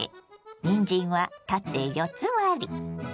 にんじんは縦四つ割り。